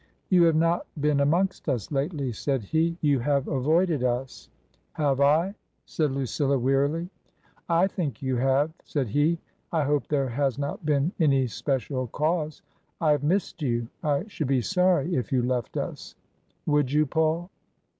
"You have not been amongst us lately?" said he. " You have avoided us ?" TRANSITION. 241 " Have I ? said Lucilla, wearily. " I think you have/' said he. " I hope there has not been any special cause. I have missed you. I should be sorry if you left us. " Would you, Paul